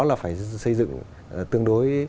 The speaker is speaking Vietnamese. là phải xây dựng tương đối